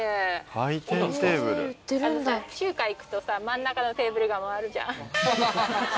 中華行くと真ん中のテーブルが回るじゃん。